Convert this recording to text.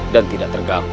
dan tidak terganggu